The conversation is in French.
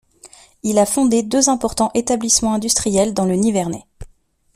Il a fondé deux importants établissements industriels dans le Nivernais.